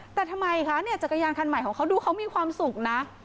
แต่ทำไมคะเนี่ยจักรยานคันใหม่ของเขาดูเขามีความสุขนะ